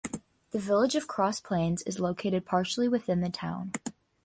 The Village of Cross Plains is located partially within the town.